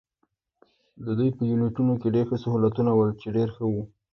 د دوی په یونیټونو کې ډېر سهولتونه ول، چې ډېر ښه وو.